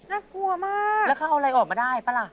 น่ากลัวมากแล้วเขาเอาอะไรออกมาได้ป่ะล่ะ